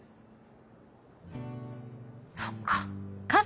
そっか。